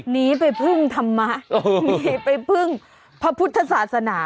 หนีไปพึ่งธรรมะหนีไปพึ่งพระพุทธศาสนา